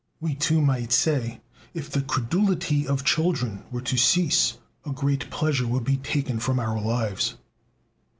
We, too, might say: "If the credulity of children were to cease, a great pleasure would be taken from our lives."